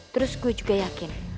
terus gue juga yakin